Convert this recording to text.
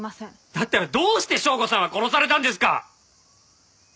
だったらどうして省吾さんは殺されたんですか！？